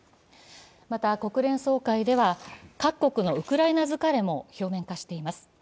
また国連総会では各国のウクライナ疲れも表面化しています。